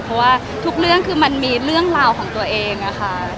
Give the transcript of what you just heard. เพราะว่าทุกเรื่องคือมันมีเรื่องราวของตัวเองอะค่ะ